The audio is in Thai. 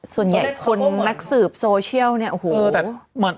ส่วนใหญ่คนนักสืบโซเชียลเนี่ยโอ้โห